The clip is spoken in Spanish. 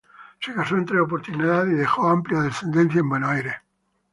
Se casó en tres oportunidades y dejó amplia descendencia en Buenos Aires.